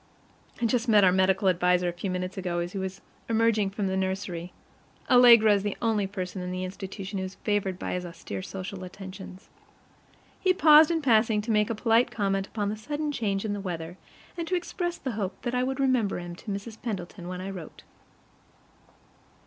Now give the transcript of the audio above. I just met our medical adviser a few minutes ago as he was emerging from the nursery Allegra is the only person in the institution who is favored by his austere social attentions. He paused in passing to make a polite comment upon the sudden change in the weather, and to express the hope that I would remember him to Mrs. Pendleton when I wrote.